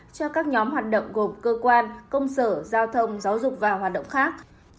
cho các nhóm hoạt động gồm cơ quan công sở giao thông giáo dục và hoạt động khác